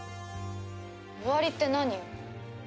終わりって何よ？